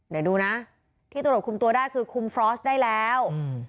เดี๋ยวดูนะที่ตรวจคุมตัวได้คือคุมฟรอสได้แล้ว